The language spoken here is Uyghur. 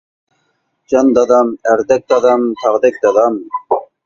جان دادام، ئەردەك دادام، تاغدەك دادام.